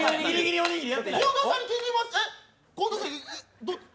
近藤さん